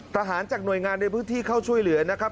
ทหารจากหน่วยงานในพื้นที่เข้าช่วยเหลือนะครับ